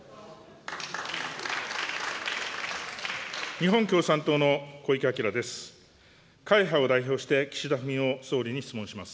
日本共産党の小池晃です。